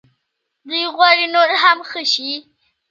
دوی غواړي نور هم ښه شي.